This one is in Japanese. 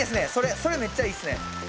それめっちゃいいっすね。